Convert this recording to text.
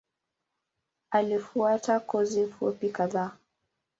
Alifuata kozi fupi kadhaa.